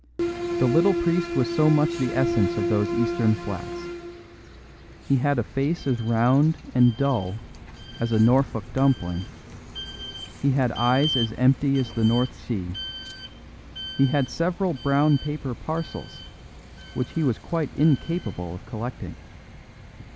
The little priest was so much the essence of those Eastern flats; he had a face as round and dull as a Norfolk dumpling; he had eyes as empty as the North Sea; he had several brown paper parcels, which he was quite incapable of collecting.